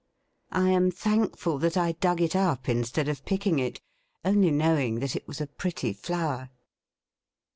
I am thankful that I dug it up instead of picking it, only knowing that it was a pretty flower.